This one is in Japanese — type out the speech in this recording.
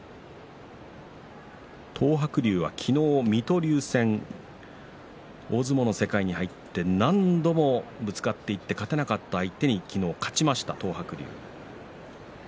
東白龍は昨日、水戸龍戦大相撲の世界に入って何度もぶつかっていって勝てなかった相手に昨日勝ちました東白龍。